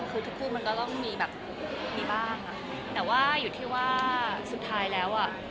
คือทุกคู่มันก็ต้องมีแบบมีบ้างอ่ะแต่ว่าอยู่ที่ว่าสุดท้ายแล้วอ่ะ